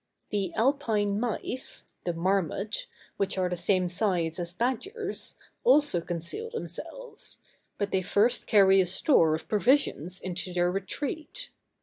The Alpine mice (the marmot) which are the same size as badgers, also conceal themselves; but they first carry a store of provisions into their retreat.